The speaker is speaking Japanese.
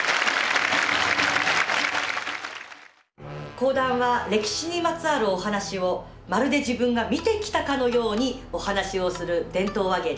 講談は歴史にまつわるお話をまるで自分が見てきたかのようにお話をする伝統話芸です。